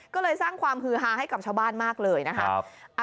ก็เลยสร้างความฮือฮาให้กับชาวบ้านมากเลยนะคะ